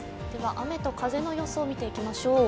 雨と風の予想を見ていきましょう。